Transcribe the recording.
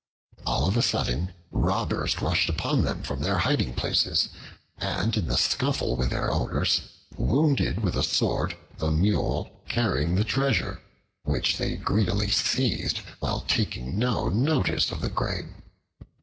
All of a sudden Robbers rushed upon them from their hiding places, and in the scuffle with their owners, wounded with a sword the Mule carrying the treasure, which they greedily seized while taking no notice of the grain.